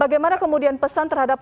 bagaimana kemudian pesan terhadap